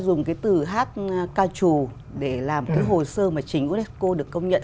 dùng cái từ hát ca trù để làm cái hồ sơ mà chính unesco được công nhận